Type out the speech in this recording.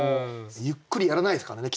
ゆっくりやらないですからね